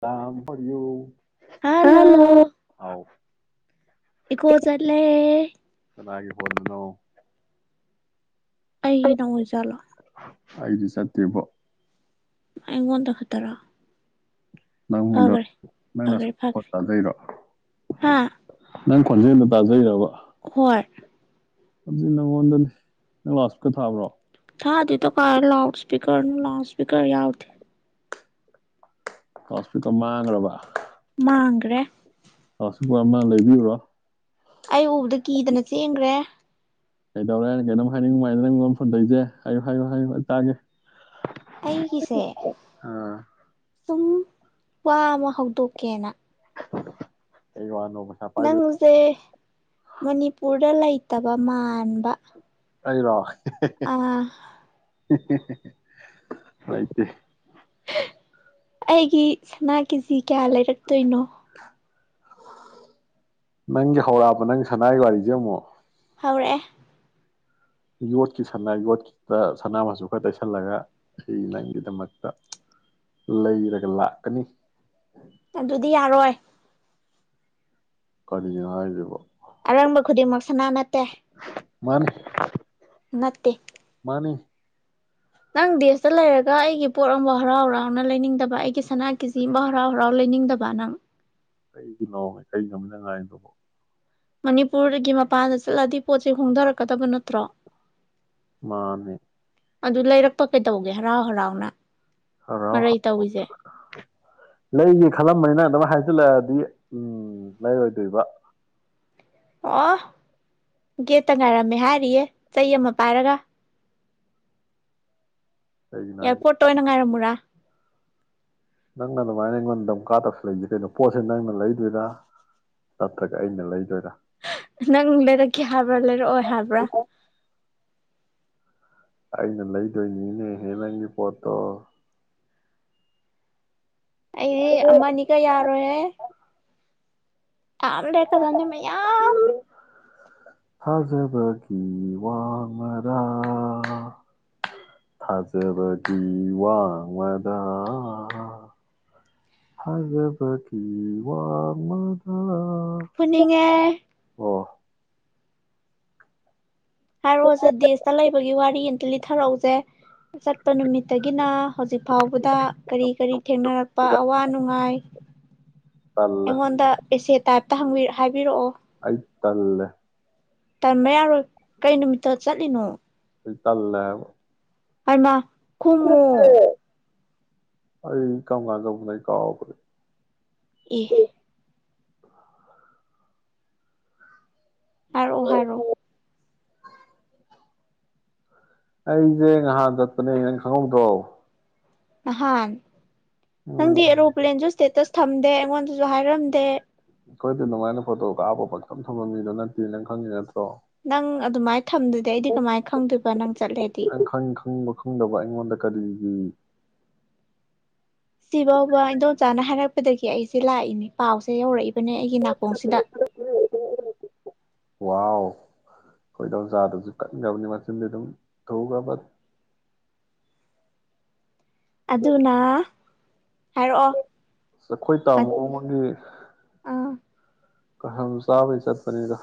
ꯇꯥꯕꯔꯣ hello hello ꯍꯥꯎ ꯏꯀꯣ ꯆꯠꯂꯦ ꯑꯣ ꯅꯣ ꯑꯩ ꯅ ꯑꯣꯏꯖꯥꯠꯂꯣ ꯑꯩꯗꯤ ꯆꯠꯇꯦꯕꯣ ꯑꯩꯉꯣꯟꯗ ꯈ ꯇꯔꯣ ꯅꯪꯉꯣꯟꯗ ꯅꯪꯅ ꯐꯈ꯭ꯔꯦ ꯅꯈꯣꯟ ꯐꯈ꯭ꯔꯦ ꯇꯥꯖꯩꯔꯣ ꯍꯥ ꯅꯪ ꯈꯣꯟꯖꯦꯜꯗꯣ ꯇꯥꯖꯩꯔꯕ ꯍꯣꯏ ꯑꯗꯨ ꯅꯪꯉꯣꯟ ꯅꯪ ꯂꯥꯎꯠ ꯁ꯭ꯄꯤꯀꯔ ꯊꯥꯕ꯭ꯔꯣ ꯊꯥꯗꯦꯗ ꯀꯥꯏꯗꯩꯅꯣ ꯂꯥꯎꯠ ꯁ꯭ꯄꯤꯀꯔꯅꯣ ꯂꯥꯎꯠ ꯁ꯭ꯄꯤꯀꯔ ꯌꯥꯎꯗꯦ ꯂꯥꯎꯠ ꯁ꯭ꯄꯤꯀꯔ ꯃꯥꯡꯒ꯭ꯔꯕ ꯃꯥꯥꯡꯒ꯭ꯔꯦ ꯁꯨꯝꯕ ꯑꯃ ꯂꯩꯕꯤꯌꯨꯔꯣ ꯑꯩ ꯎꯕꯗ ꯀꯤꯗꯅ ꯆꯦꯟꯒ꯭ꯔꯦ ꯀꯩꯗꯧꯔꯦ ꯀꯩꯅꯣꯝ ꯍꯥꯏꯅꯤꯡꯕ ꯃꯥꯜꯂꯦ ꯅꯪ ꯑꯩꯉꯣꯟ ꯐꯣꯟ ꯇꯧꯔꯛꯏꯖꯦ ꯍꯥꯏꯌꯨ ꯍꯥꯏꯌꯨ ꯑꯩ ꯇꯥꯒꯦ ꯑꯩꯒꯤꯁꯦ ꯑꯥ ꯁꯨꯝ ꯋꯥ ꯑꯃ ꯍꯧꯗꯣꯛꯀꯦꯅ ꯀꯩ ꯋꯥꯅꯣ ꯄꯩꯁꯥ ꯄꯥꯏꯕ ꯅꯪꯖꯦ ꯃꯅꯤꯄꯨꯔꯗ ꯂꯩ ꯇꯕ ꯃꯥꯟꯕ ꯑꯩꯔꯣ ꯑꯥ ꯍꯦ ꯍꯦ ꯂꯩꯇꯦ ꯑꯩꯒꯤ ꯁꯅꯥ ꯀꯦꯖꯤ ꯀꯌꯥ ꯂꯩꯔꯛꯇꯣꯏꯅꯣ ꯅꯪꯒꯤ ꯍꯧꯔꯑꯕ ꯅꯪ ꯁꯅꯥꯒꯤ ꯋꯥꯔꯤꯖꯦ ꯑꯃꯨꯛ ꯍꯧꯔꯛꯑꯦ ꯌꯣꯠꯀꯤ ꯁꯅꯥ ꯌꯣꯠꯀꯤꯗ ꯁꯅꯥ ꯃꯆꯨ ꯈꯔ ꯇꯩꯁꯜꯂꯒ ꯑꯩ ꯅꯪꯒꯤꯗꯃꯛꯇ ꯂꯩꯔꯒ ꯂꯥꯛꯀꯅꯤ ꯑꯗꯨꯗꯤ ꯌꯥꯔꯣꯏ ꯀꯔꯤꯅꯣ ꯍꯥꯏꯁꯤꯕꯣ ꯑꯔꯪꯕ ꯈꯨꯗꯤꯡꯃꯛ ꯁꯅꯥ ꯅꯠꯇꯦ ꯃꯥꯅꯤ ꯅꯠꯇꯦ ꯃꯥꯅꯦ ꯅꯪ ꯗꯦꯁꯇ ꯂꯩꯔꯒ ꯑꯩꯒꯤ ꯄꯣꯠ ꯑꯃ ꯍꯔꯥꯎ ꯍꯔꯥꯎꯅ ꯂꯩꯅꯤꯡꯗꯕ ꯑꯩꯒꯤ ꯁꯅꯥ ꯀꯦꯖꯤ ꯑꯃ ꯍꯔꯥꯎ ꯍꯔꯥꯎ ꯂꯩꯅꯤꯡꯗꯕ ꯅꯪ ꯀꯩꯒꯤꯅꯣ ꯃꯤ ꯀꯩ ꯅꯣꯕ ꯅꯪ ꯍꯥꯏꯔꯤꯗꯨꯕꯣ ꯃꯅꯤꯄꯨꯔꯗꯒꯤ ꯃꯄꯥꯟꯗ ꯆꯠꯂꯗꯤ ꯄꯣꯠꯁꯦ ꯍꯣꯡꯗꯔꯛꯀꯗꯕ ꯅꯠꯇ꯭ꯔꯣ ꯃꯥꯅꯦ ꯑꯗꯨ ꯂꯩꯔꯛꯄ ꯀꯩꯗꯧꯒꯦ ꯍꯔꯥꯎ ꯍꯔꯥꯎꯅ ꯃꯔꯩ ꯇꯧꯏꯁꯦ ꯂꯩꯅꯤ ꯈꯜꯂꯝꯕꯅꯤ ꯅꯪ ꯑꯗꯨꯝ ꯍꯥꯏꯖꯜꯂꯛꯑꯗꯤ ꯎꯝ ꯂꯩꯔꯣꯏꯗꯣꯏꯕ ꯑꯣ ꯒꯦꯠꯇ ꯉꯥꯏꯔꯝꯃꯦ ꯍꯥꯏꯔꯤꯌꯦ ꯆꯩ ꯑꯃ ꯄꯥꯏꯔꯒ ꯀꯩꯒꯤꯅꯣ ꯍꯥꯏꯁꯦ ꯑꯦꯌꯥꯔꯄꯣꯔꯠꯇ ꯑꯣꯏꯅ ꯉꯥꯏꯔꯝꯃꯣꯔꯥ ꯅꯪꯅ ꯑꯗꯨꯃꯥꯏꯅ ꯑꯩꯉꯣꯟꯗ ꯗꯝꯀꯥ ꯇꯧꯁꯜꯂꯛꯏꯁꯦ ꯀꯩꯅꯣ ꯄꯣꯠꯁꯦ ꯅꯪꯅ ꯂꯩꯗꯣꯏꯔꯥ ꯅꯠꯇ꯭ꯔꯒ ꯑꯩꯅ ꯂꯩꯗꯣꯏꯔꯥ ꯅꯪ ꯂꯩꯔꯛꯀꯦ ꯍꯥꯏꯕ꯭ꯔꯥ ꯂꯩꯔꯛꯑꯣꯏ ꯍꯥꯏꯕ꯭ꯔꯥ ꯑꯩꯅ ꯂꯩꯗꯣꯏꯅꯤꯅꯦꯍꯦ ꯅꯪꯒꯤ ꯄꯣꯠꯇꯣ ꯑꯩꯗꯤ ꯑꯃꯅꯤꯒ ꯌꯥꯔꯣꯏꯍꯦ ꯌꯥꯝ ꯂꯩꯔꯛꯀꯗꯕꯅꯦ ꯃꯌꯥꯝ ꯊꯥꯖꯕꯒꯤ ꯋꯥꯡꯃꯗꯥ ꯊꯥꯖꯕꯒꯤ ꯋꯥꯡꯃꯗꯥ ꯊꯥꯖꯕꯒꯤ ꯋꯥꯡꯃꯗꯥ ꯐꯨꯅꯤꯡꯉꯦ ꯍꯥꯏꯔꯛꯑꯣꯁꯦ ꯗꯦꯁꯇ ꯂꯩꯕꯒꯤ ꯋꯥꯔꯤ ꯑꯝ ꯂꯤꯊꯔꯛꯎꯁꯦ ꯆꯠ ꯄ ꯅꯨꯃꯤꯠꯇꯒꯤꯅ ꯍꯧꯖꯤꯛ ꯐꯥꯎꯕꯗ ꯀꯔꯤ ꯀꯔꯤ ꯊꯦꯡꯅꯔꯛ ꯄ ꯑꯋꯥ ꯅꯨꯡꯉꯥꯏ ꯇꯜꯂꯦ ꯑꯩꯉꯣꯟꯗ ꯑꯦꯁꯦ ꯇꯥꯏꯞ ꯇꯥ ꯍꯪꯕꯤ ꯍꯥꯏꯕꯤꯔꯛꯑꯣ ꯑꯩ ꯇꯜꯂꯦ ꯇꯟꯕ ꯌꯥꯔꯣꯏ ꯀꯩ ꯅꯨꯃꯤꯠꯇ ꯆꯠꯂꯤꯅꯣ ꯑꯩ ꯇꯜꯂꯦ ꯍꯥꯏꯕ ꯑꯩꯃꯥ ꯈꯨꯝꯃꯣ ꯑꯩ ꯀꯃ ꯀꯥꯟ ꯂꯧꯕꯅꯣ ꯑꯩ ꯀꯥꯎꯈꯔꯦ ꯑꯦ ꯍꯥꯏꯔꯛꯑꯣ ꯍꯥꯏꯔꯛꯑꯣ ꯑꯩꯁꯦ ꯉꯍꯥꯟ ꯆꯠꯄꯅꯦ ꯅꯪ ꯈꯪꯍꯧꯗ꯭ꯔꯣ ꯅꯍꯥꯟ ꯅꯪꯗꯤ ꯎꯝ ꯑꯦꯔꯣꯄꯂ꯭ꯦꯟꯁꯨ ꯏꯁꯇꯦꯇꯁ ꯊꯝꯗꯦ ꯑꯩꯉꯣꯟꯗꯁꯨ ꯍꯥꯏꯔꯝꯗꯦ ꯑꯈꯣꯏꯗꯤ ꯑꯗꯨꯃꯥꯏꯅ ꯐꯣꯇꯣ ꯀꯥꯞꯄ ꯄꯥꯀꯊꯝ ꯊꯝꯕ ꯃꯤꯗꯣ ꯅꯠꯇꯦ ꯅꯪ ꯈꯪꯉꯤꯅꯥꯠ ꯅꯪ ꯗꯨꯃꯥꯏ ꯊꯝꯗꯔ꯭ꯗꯤ ꯑꯩꯗꯤ ꯀꯃꯥꯏꯅ ꯈꯪꯗꯣꯏꯕ ꯅꯪ ꯆꯠꯂꯦꯗꯤ ꯅꯪ ꯎꯝ ꯁꯤꯐꯥꯎꯕ ꯏꯟꯗꯣꯟꯆꯥꯥꯅ ꯍꯥꯏꯔꯛꯄꯗꯒꯤ ꯑꯩꯁꯦ ꯂꯥꯛꯏꯅꯦ ꯄꯥꯎꯁꯦ ꯌꯧꯔꯛꯏ ꯅꯦ ꯑꯩꯒꯤ ꯅꯥꯀꯣꯡꯁꯤꯗ ꯋꯥꯎ ꯈꯣꯏ ꯏꯟꯗꯣꯝꯆꯥꯗꯨꯁꯨ ꯀꯟꯒꯔꯕꯅꯤ ꯃꯆꯤꯟꯗꯤ ꯑꯗꯨꯝ ꯊꯨꯒꯔꯕ ꯑꯗꯨꯅ ꯍꯥꯏꯔꯛꯑꯣ ꯑꯈꯣꯏ ꯇꯥꯃꯣ ꯑꯃꯒꯤ ꯑꯥ ꯀꯥꯁꯝ ꯆꯥꯕꯩ ꯆꯠꯄꯅꯤꯗ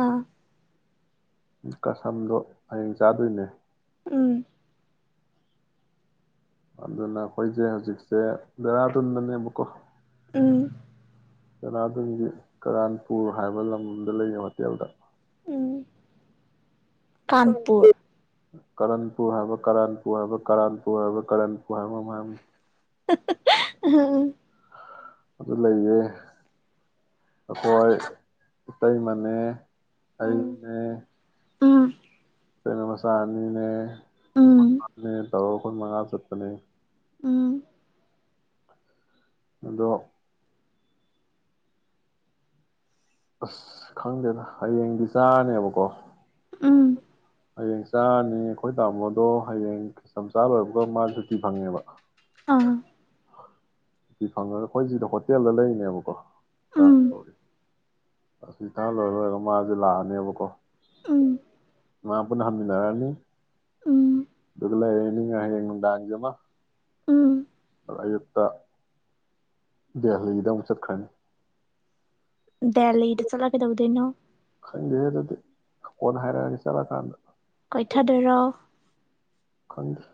ꯑꯥ ꯀꯁꯝꯗꯣ ꯍꯌꯦꯡ ꯆꯥꯗꯣꯏꯅꯦ ꯎꯝ ꯑꯗꯨꯅ ꯑꯈꯣꯏꯁꯦ ꯍꯧꯖꯤꯛꯁꯦ ꯗꯦꯔꯗꯨꯟꯗ ꯅꯦꯕꯥꯀꯣ ꯎꯝ ꯗꯦꯔꯥꯗꯨꯅꯒꯤ ꯀꯔꯥꯟꯄꯨꯔ ꯍꯥꯏꯕ ꯂꯝꯗ ꯂꯩꯌꯦꯕ ꯍꯣꯇꯦꯜꯗ ꯎꯝ ꯀꯥꯟꯄꯨꯔ ꯀꯔꯟꯄꯨꯔ ꯍꯥꯏꯕ ꯀꯔꯥꯟꯄꯨꯔ ꯍꯥꯏꯕ ꯀꯔꯥꯟꯄꯨꯔ ꯍꯥꯏꯕ ꯀꯔꯟꯄꯨꯔ ꯍꯥꯏꯕ ꯀꯩꯅꯣꯝ ꯍꯥꯌꯕꯅꯤ ꯎꯝ ꯑꯗꯨ ꯂꯩꯌꯦ ꯑꯈꯣꯏ ꯏꯇꯩꯃꯅꯦ ꯎꯝ ꯑꯩꯅꯦ ꯎꯝ ꯏꯇꯩꯃꯩ ꯃꯆꯥ ꯑꯅꯤꯅꯦ ꯎꯝ [inaudible] ꯇꯧꯔꯥ ꯑꯈꯣꯢ ꯃꯥꯉꯥ ꯆꯠꯄꯅꯦ ꯎꯝ ꯑꯗꯣ ꯑꯁ ꯈꯪꯗꯦꯗ ꯍꯌꯦꯡꯗꯤ ꯆꯥꯔꯅꯦꯕꯀꯣ ꯎꯝ ꯍꯌꯦꯡ ꯆꯔꯅꯤ ꯑꯈꯣꯏ ꯇꯥꯃꯣꯗꯣ ꯍꯌꯦꯡ ꯀꯁꯝꯆꯥꯥ ꯂꯣꯏꯕꯒ ꯃꯥ ꯁꯨꯇꯤ ꯐꯪꯉꯦꯕ ꯑꯥ ꯁꯨꯇꯤ ꯐꯪꯉꯒ ꯑꯈꯣꯏ ꯁꯤꯗ ꯍꯣꯇꯦꯜꯗ ꯂꯩꯔꯤꯅꯦꯕꯀꯣ ꯎꯝ ꯀꯔꯝꯄꯨꯔꯒꯤ ꯑꯁꯤ ꯇꯥ ꯂꯣꯏꯕꯒꯥ ꯑꯗꯨꯝ ꯃꯥꯁꯦ ꯂꯥꯛꯑꯅꯦꯕꯀꯣ ꯎꯝ ꯃꯥ ꯄꯨꯅꯥ ꯍꯟꯃꯤꯟꯅꯔꯛꯅꯤ ꯎꯝ ꯑꯗꯨꯒꯂꯅꯤ ꯍꯌꯦꯡ ꯅꯨꯡꯗꯥꯡꯖꯤ ꯑꯃ ꯎꯝ ꯑ ꯑꯌꯨꯛꯇ ꯗꯦꯜꯂꯤꯗ ꯑꯃꯨꯛ ꯆꯠꯈ꯭ꯔꯅꯤ ꯗꯦꯜꯂꯤꯗ ꯆꯠꯂꯒ ꯀꯩꯗꯧꯗꯣꯏꯅꯣ ꯈꯪꯗꯦꯍꯦ ꯑꯗꯨꯗꯤ ꯀꯣꯟꯅ ꯍꯥꯏꯔꯛꯑꯒꯦ ꯆꯠꯂꯀꯥꯟꯗ ꯀꯣꯏꯊꯗꯨꯏꯔꯣ ꯈꯪꯗꯦ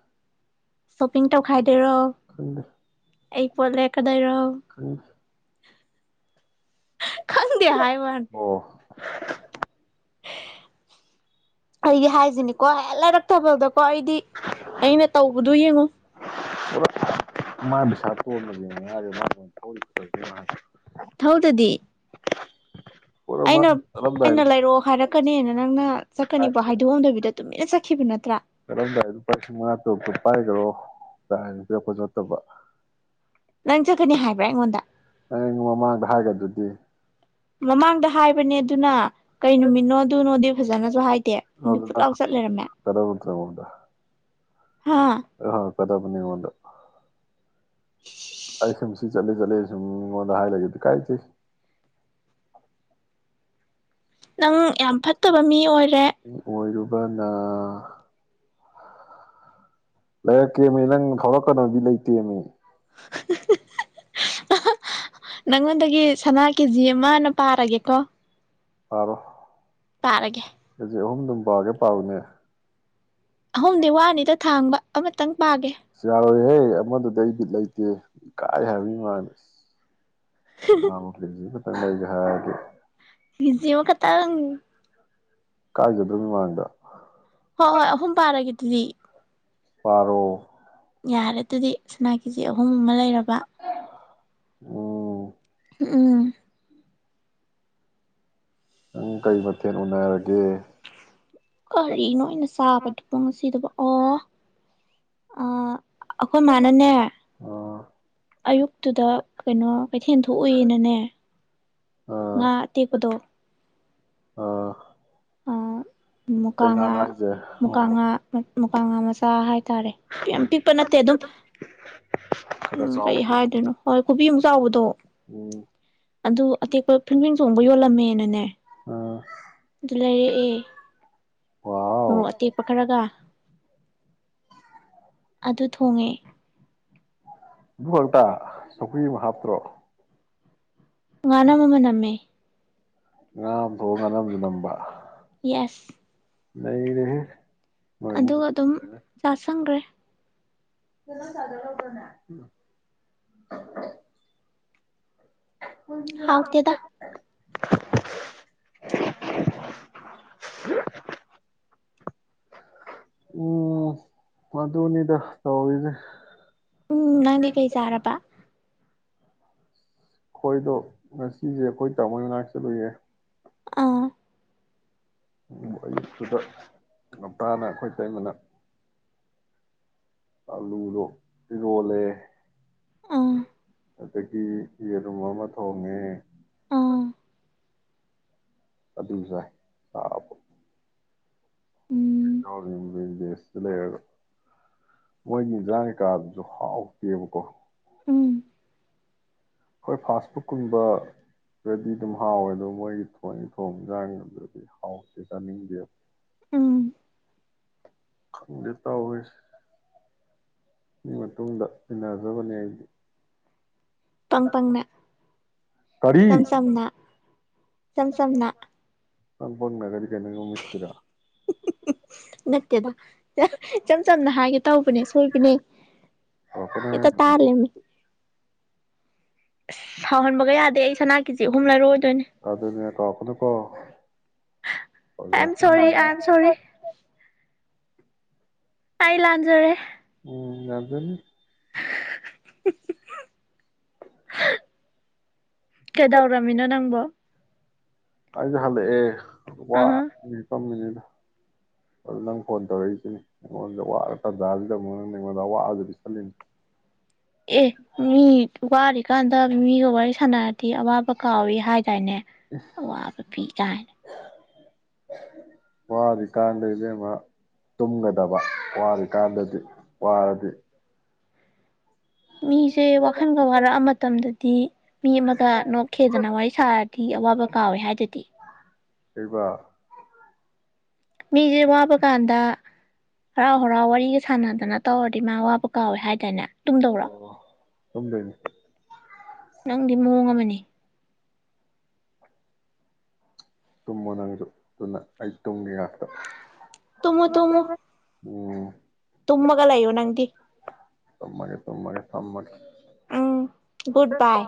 ꯁꯣꯄꯤꯡ ꯇꯧꯈꯥꯏ ꯑꯩꯔꯣ ꯈꯪꯗꯦ ꯑꯩ ꯄꯣꯠ ꯂꯩꯔꯛꯀ ꯂꯩꯔꯛꯎ ꯈꯪꯗꯦ ꯈꯪꯗꯦ ꯍꯥꯏꯋꯥꯅꯤ ꯑꯣ ꯑꯩꯗꯤ ꯍꯥꯏꯁꯤꯅꯤꯀꯣ ꯍꯦꯛ ꯂꯩꯔꯛ ꯇꯕꯗꯀꯣ ꯑꯩꯗꯤ ꯑꯩꯅ ꯇꯧꯕꯗꯨ ꯌꯦꯡꯉꯨ ꯃꯥꯏ ꯄꯩꯁꯥ ꯇꯣꯟꯕꯗꯨ ꯃꯉꯥꯏꯔꯦ ꯃꯥꯅ ꯑꯩꯉꯣꯟꯗ ꯊꯧꯔꯤꯕ ꯊꯧꯗꯗꯤ ꯄꯨꯔꯥ ꯃꯥ ꯑꯩꯅ ꯆꯠꯂꯝꯗꯥꯏꯗ ꯑꯩꯅ ꯂꯩꯔꯛꯑꯣ ꯍꯥꯏꯔꯛ ꯀꯅꯦꯅ ꯅꯪꯅ ꯆꯠꯀꯅꯤꯕꯣ ꯍꯥꯏꯗꯣꯛꯑꯝꯗꯕꯤꯗ ꯇꯨꯃꯤꯟꯅ ꯆꯠꯈꯤꯕ ꯅꯠꯇ꯭ꯔꯥ ꯆꯠꯂꯝꯗꯥꯏꯗ ꯂꯨꯄꯥ ꯂꯤꯁꯤꯡ ꯃꯉꯥ ꯇꯔꯨꯛ ꯇꯣ ꯄꯥꯏꯒꯔꯣ ꯀꯥꯏꯅ ꯄꯤꯔꯛꯄꯁꯨ ꯅꯠꯇꯕ ꯅꯪ ꯆꯠꯀꯅꯤ ꯍꯥꯏꯕ꯭ꯔꯥ ꯑꯩꯉꯣꯟꯗ ꯑꯩꯅ ꯃꯃꯥꯡꯗ ꯍꯥꯏꯒꯗꯨꯗꯤ ꯃꯃꯥꯡꯗ ꯍꯥꯏꯕꯅꯦ ꯑꯗꯨꯅ ꯀꯩ ꯅꯨꯃꯤꯠꯅꯣ ꯑꯗꯨꯅꯣꯗꯤ ꯐꯖꯅꯁꯨ ꯍꯥꯏꯗꯦ ꯅꯪꯗꯤ ꯑꯗꯨꯗ ꯐꯨꯠ ꯅꯪ ꯂꯥꯎ ꯆꯠ ꯂꯩꯔꯝꯃꯦ ꯍꯪꯉꯛꯀꯗꯕ ꯅꯠꯇ꯭ꯔꯣ ꯑꯩꯉꯣꯟꯗ ꯍꯥꯥ ꯀꯗꯕꯅꯤ ꯑꯩꯉꯣꯟꯗ [inaudible] ꯑꯩ ꯁꯨꯝ ꯁꯤ ꯆꯠꯂꯦ ꯆꯠꯂꯦ ꯁꯨꯝ ꯃꯤꯉꯣꯟꯗ ꯍꯥꯏ ꯂꯩꯒꯗ꯭ꯔꯣ ꯀꯥꯏꯖꯩ ꯅꯪ ꯌꯥꯝ ꯐꯠꯇꯕ ꯃꯤ ꯑꯣꯏꯔꯦ ꯑꯣꯏꯔꯝ ꯃꯥꯅ ꯂꯩꯔꯛꯀꯦ ꯃꯤ ꯅꯪ ꯊꯧꯔꯛꯀꯅꯣꯃꯤ ꯂꯩꯇꯦꯃꯤ ꯍꯥ ꯍꯥ ꯍꯥ ꯑꯍꯥ ꯅꯪꯉꯣꯟꯗꯒꯤ ꯁꯅꯥ ꯀꯦꯖꯤ ꯑꯃꯅ ꯄꯥꯔꯒꯦꯀꯣ ꯄꯥꯔꯣ ꯄꯥꯔꯒꯦ ꯀꯦꯖꯤ ꯑꯍꯨꯝꯗꯨꯝ ꯄꯥꯒꯦ ꯄꯥꯔꯣꯅꯦ ꯑꯍꯨꯝꯗꯤ ꯋꯥꯅꯤꯗ ꯊꯥꯡꯕ ꯑꯃꯇꯪ ꯄꯥꯒꯦ ꯌꯥꯔꯣꯏꯌꯦ ꯑꯦ ꯑꯃꯗꯨꯗꯩ ꯕꯤꯠ ꯂꯩꯇꯦ ꯏꯀꯥꯏ ꯍꯥꯏꯕꯅꯤ ꯃꯤ ꯃꯥꯡꯗ [unintelligible] ꯂꯩꯒꯦ ꯍꯥꯏꯔꯗꯤ ꯀꯤꯖꯤ ꯑꯃꯈꯛꯇꯪ ꯀꯥꯏꯖꯗ꯭ꯔꯣ ꯃꯤꯃꯥꯡꯗ ꯍꯣꯏ ꯍꯣꯏ ꯑꯍꯨꯝ ꯄꯥꯔꯒꯦ ꯑꯗꯨꯗꯤ ꯄꯥꯔꯣ ꯌꯥꯔꯦ ꯑꯗꯨꯗꯤ ꯁꯅꯥ ꯀꯦꯖꯤ ꯑꯍꯨꯝ ꯑꯃ ꯂꯩꯔꯕ ꯎꯝ ꯎꯝ ꯅꯪ ꯀꯔꯤ ꯃꯊꯦꯜ ꯎꯅꯔꯒꯦ ꯀꯔꯤꯅꯣ ꯑꯩꯅ ꯆꯥꯕꯗꯨꯕꯨ ꯉꯁꯤꯗꯨꯕꯨ ꯑꯣ ꯑꯥ ꯑꯩꯈꯣꯏ ꯃꯥꯅꯅꯦ ꯑꯥ ꯑꯌꯨꯛꯇꯨꯗ ꯀꯩꯅꯣ ꯀꯩꯊꯦꯜ ꯊꯣꯛꯎꯏꯅꯅꯦ ꯑꯥ ꯉꯥ ꯑꯇꯦꯛꯄꯗꯣ ꯑꯥ ꯀꯩ ꯃꯨꯀꯥꯉꯥ ꯉꯥꯅꯣ ꯍꯥꯏꯖꯦ ꯑꯣ ꯃꯨꯀꯥꯉꯥ ꯃꯨꯀꯥꯉꯥ ꯃꯆꯥ ꯍꯥꯏ ꯇꯔꯦ ꯌꯥꯝ ꯄꯤꯛꯄ ꯅꯠꯇꯦ ꯈꯔ ꯑꯗꯨꯝ ꯈꯔ ꯎꯝ ꯀꯩ ꯆꯥꯎꯕꯗꯨꯅꯤ ꯍꯥꯏꯗꯣꯏꯅꯣ ꯈꯨꯕꯤꯃꯨꯛ ꯆꯥꯎꯕꯗꯣ ꯎꯝ ꯑꯗꯨ ꯑꯇꯦꯛꯄ ꯐꯤꯡꯐꯤꯡ ꯆꯣꯡꯕ ꯌꯣꯜꯂꯝꯃꯦꯅꯅꯦ ꯑꯥ ꯑꯗꯨ ꯂꯩꯔꯛꯑꯦ ꯃꯣꯔꯣꯛ ꯋꯥꯎ ꯑꯇꯦꯛꯄ ꯈꯔꯒ ꯑꯗꯨ ꯊꯣꯡꯉꯦ ꯑꯗꯨ ꯈꯛꯇ ꯁꯧꯒ꯭ꯔꯤ ꯑꯃ ꯍꯥꯞꯇ꯭ꯔꯣ ꯉꯥꯅꯝ ꯑꯃ ꯅꯝꯃꯦ ꯉꯥ ꯊꯣꯡꯉ ꯉꯅꯝꯃꯁꯨ ꯅꯝꯕ ꯌꯦꯁ ꯅꯩꯔꯦꯍꯦ ꯅꯣꯏ ꯑꯗꯨꯒ ꯏꯃꯨꯡ ꯑꯗꯨꯝ ꯆꯥꯥꯁꯟꯒ꯭ꯔꯦ [unintelligible] [unintelligible] ꯍꯥꯎꯇꯦꯗ ꯎꯝ ꯃꯗꯨꯅꯤꯗ ꯇꯧꯏꯁꯦ ꯎꯝ ꯅꯪꯗꯤ ꯀꯩ ꯆꯥꯔꯕ ꯑꯩꯈꯣꯏꯗꯣ ꯉꯁꯤꯁꯦ ꯑꯩꯈꯣꯏ ꯇꯥꯝꯃꯣ ꯃꯅꯥꯛ ꯆꯠꯂꯨꯌꯦ ꯑꯥ ꯎ ꯑꯌꯨꯛꯇꯨꯗ ꯉꯟꯇꯥꯅ ꯑꯩꯈꯣꯏ ꯏꯇꯩꯃꯅ ꯑꯥꯂꯨ ꯗꯣ ꯏꯔꯣꯟꯂꯦ ꯎꯝ ꯑꯗꯒꯤ ꯌꯦꯔꯨꯝ ꯑꯃ ꯊꯣꯡꯉꯦ ꯑꯥ ꯑꯗꯨ ꯆꯥꯏ ꯆꯕꯒꯤ ꯎꯝ ꯗꯦꯁꯇꯥ ꯂꯩꯔꯒ ꯃꯣꯏꯒꯤ ꯏꯟꯖꯥꯡ ꯀꯩꯀꯥ ꯗꯨꯁꯨ ꯍꯥꯎꯇꯦꯕꯀꯣ ꯎꯝ ꯍꯣꯏ ꯐꯥꯁꯐꯨꯗ ꯀꯨꯝꯕꯗꯗꯤ ꯑꯗꯨꯝ ꯍꯥꯎꯋꯦ ꯑꯗꯣ ꯃꯣꯏꯒꯤ ꯊꯣꯏꯅ ꯊꯣꯡ ꯏꯟꯖꯥꯡꯗꯨꯗꯤ ꯍꯥꯎꯇꯦ ꯆꯥꯅꯤꯡꯗꯦꯕ ꯎꯝ ꯈꯪꯗꯦ ꯇꯧꯔꯤꯁꯦ ꯑꯗꯨꯏ ꯃꯇꯨꯡꯗ ꯏꯟꯅꯖꯕꯅꯦ ꯑꯩꯗꯤ ꯄꯪꯄꯪꯅ ꯀꯔꯤ ꯁꯝ ꯁꯝꯅ ꯏꯆꯝ ꯆꯝꯅ ꯏꯄꯪꯄꯪꯅ ꯀꯥꯏꯗꯤ ꯀꯩꯅꯣ ꯑꯩꯉꯣꯟ ꯃꯤ ꯎꯁꯤꯠꯇꯔꯤꯔꯣ ꯅꯠꯇꯦꯗ ꯏꯆꯝ ꯆꯝꯅ ꯍꯥꯏꯒꯦ ꯇꯧꯕꯅꯦ ꯁꯣꯏꯕꯅꯦ ꯍꯦꯛꯇ ꯀꯥꯎꯔꯛꯀꯅꯣ ꯇꯥꯂꯩꯃꯤ ꯁꯥꯎꯟꯃꯛ ꯑꯩ ꯁꯅꯥ ꯀꯦꯖꯤ ꯑꯍꯨꯝ ꯂꯩꯔꯑꯣꯗꯣꯏꯅꯦ ꯑꯗꯨꯅꯦ ꯀꯥꯎꯔꯛꯀꯅꯨꯀꯣ ꯑꯥꯏ ꯑꯣꯖꯥ am sorry I am sorry ꯑꯩ ꯂꯥꯟꯖꯔꯦ ꯎꯝ ꯌꯥꯖꯅꯤ [unintelligible] ꯀꯦꯗꯥꯎꯔꯝꯃꯤꯅꯣ ꯅꯪꯕꯣ ꯑꯩ ꯗꯤ ꯍꯜꯂꯛ ꯑꯦ ꯑꯥ ꯋꯥꯕꯅꯥ ꯍꯤꯞꯄꯝꯃꯤꯅꯤꯗ ꯑꯗꯨ ꯅꯪ ꯐꯣꯟ ꯇꯧꯔꯛꯏꯁꯤꯅꯤ ꯑꯩꯉꯣꯟꯗ ꯋꯥꯔ ꯇꯟꯖꯥꯁꯤꯗ ꯑꯃꯨꯛ ꯅꯪꯅ ꯑꯩꯉꯣꯟꯗ ꯑꯋꯥꯕꯗꯨ ꯄꯤꯁꯜꯂꯤꯅꯤ ꯑꯦ ꯃꯤ ꯋꯥꯔꯤ ꯀꯥꯟꯗ ꯃꯤꯗꯣ ꯋꯥꯔꯤ ꯁꯥꯟꯅꯔ ꯗꯤ ꯑꯋꯥꯕ ꯀꯥꯎꯏ ꯍꯥꯏꯗꯥꯏꯅꯦ ꯑꯋꯥꯕ ꯄꯤ ꯀꯥꯏꯅ ꯋꯥꯔꯤꯀꯥꯟꯗ ꯏꯕꯦꯃꯃꯥ ꯇꯨꯝꯒꯗꯕ ꯋꯥꯔꯤꯀꯥꯟꯗꯗꯤ ꯋꯥꯔꯗꯤ ꯃꯤꯁꯦ ꯋꯥꯈꯜꯒ ꯋꯥꯔꯛꯑ ꯃꯇꯝꯗ ꯇꯤ ꯃꯤ ꯑꯃꯒ ꯅꯣꯛ ꯈꯦꯗꯅ ꯋꯥꯔꯤ ꯁꯥꯔꯗꯤ ꯑꯋꯥꯕ ꯀꯥꯎꯋꯦ ꯍꯥꯏꯗꯨꯗꯤ ꯀꯩꯕ ꯃꯤꯁꯦ ꯋꯥꯕ ꯀꯥꯟꯗ ꯍꯔꯥꯎ ꯍꯔꯥꯎ ꯋꯥꯔꯤꯒ ꯁꯥꯟꯅꯗꯅ ꯇꯧꯔꯗꯤ ꯃꯥ ꯋꯥꯕꯥ ꯀꯥꯎꯋꯦ ꯍꯥꯏꯗꯅꯦ ꯑꯣ ꯇꯨꯝꯗꯣꯏꯅꯤ ꯅꯪꯗꯤ ꯃꯑꯣꯡ ꯑꯃꯅꯤ ꯇꯨꯝꯃꯣ ꯅꯪꯁꯨ ꯑꯗꯨꯅ ꯑꯩ ꯇꯨꯝꯒꯦ ꯉꯥꯛꯇ ꯇꯨꯃꯃꯣ ꯇꯨꯃꯃꯣ ꯑꯣ ꯇꯨꯝꯃꯒ ꯂꯩꯌꯣ ꯅꯪꯗꯤ ꯇꯨꯝꯃꯒꯦ ꯇꯨꯝꯃꯒꯧ ꯊꯝꯃꯒꯦ ꯎꯝ ꯒꯨꯠ ꯕꯥꯏ